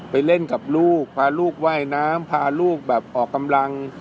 ไปเล่นกับลูกพาลูกว่ายน้ำพาลูกแบบออกกำลัง